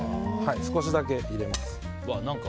少しだけ入れます。